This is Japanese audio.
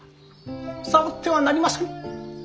触ってはなりませぬ。